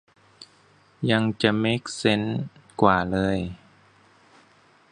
ยังจะเม็กเซนส์กว่าเลย